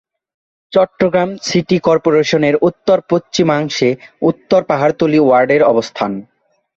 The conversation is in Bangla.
চট্টগ্রাম সিটি কর্পোরেশনের উত্তর-পশ্চিমাংশে উত্তর পাহাড়তলী ওয়ার্ডের অবস্থান।